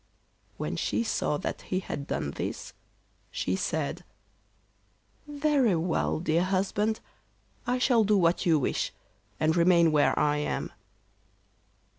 When she saw that he had done this, she said: 'Very well, dear husband, I shall do what you wish, and remain where I am.